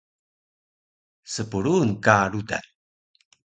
Spruun ka rudan